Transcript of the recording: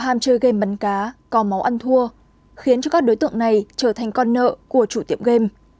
do ham chơi game bắn cá có máu ăn thua khiến cho các đối tượng này trở thành con nợ của chủ tiệm game